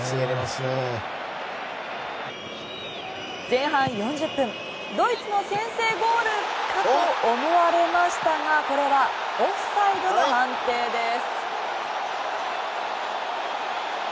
前半４０分ドイツの先制ゴールかと思われましたがこれはオフサイドの判定です。